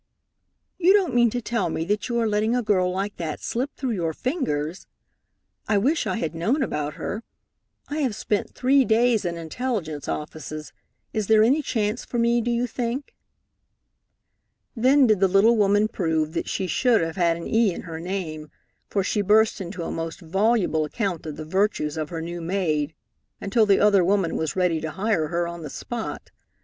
"You don't mean to tell me that you are letting a girl like that slip through your fingers? I wish I had known about her. I have spent three days in intelligence offices. Is there any chance for me, do you think?" Then did the little woman prove that she should have had an e in her name, for she burst into a most voluble account of the virtues of her new maid, until the other woman was ready to hire her on the spot.